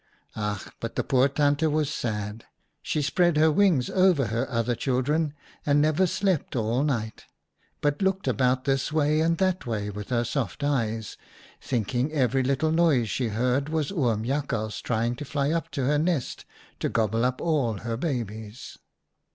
" Ach ! but the poor Tante was sad ! She spread her wings over her other children and never slept all night, but looked about this way and that way with her soft eyes, thinking every little noise she heard was Oom Jakhals trying to fly up to her nest to gobble up all her babies.